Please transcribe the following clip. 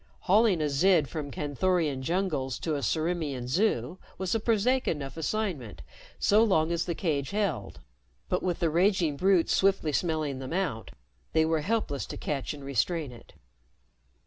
Hauling a Zid from Canthorian jungles to a Ciriimian zoo was a prosaic enough assignment so long as the cage held, but with the raging brute swiftly smelling them out, they were helpless to catch and restrain it.